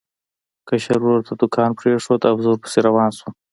کشر ورور ته دوکان پرېښود او زه ورپسې روان شوم.